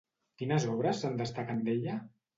Quines obres se'n destaquen d'ella?